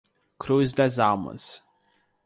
Cruz das Almas